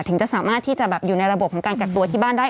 ถึงจะสามารถที่จะอยู่ในระบบของการกักตัวที่บ้านได้